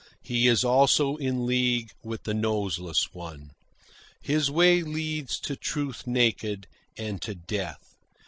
He is also in league with the Noseless One. His way leads to truth naked, and to death.